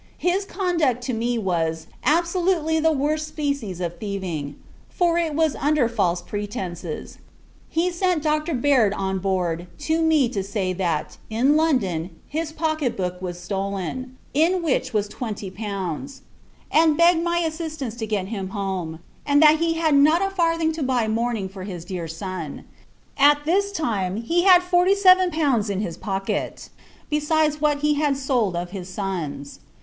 His conduct to me was, absolutely, the worst species of thieving; for, it was under false pretences. He sent Dr. Baird on board, to me, to say that, in London, his pocket book was stole, in which was twenty pounds; and begged my assistance to get him home; and that he had not a farthing to buy mourning for his dear son. At this time, he had forty seven pounds in his pocket, besides what he had sold of his son's.